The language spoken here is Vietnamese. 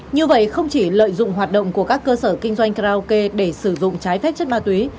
như vậy không chỉ lợi dụng hoạt động của các cơ sở kinh doanh karaoke để sử dụng trái phép chất ma túy